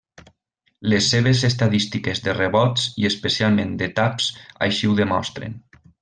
Les seves estadístiques de rebots i especialment de taps així ho demostren.